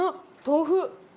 豆腐？